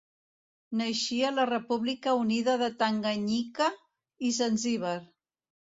Naixia la República Unida de Tanganyika i Zanzíbar.